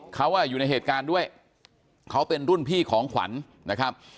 เขาอยู่ในเหตุการณ์ด้วยเขาเป็นรุ่นพี่ของขวัญนะครับ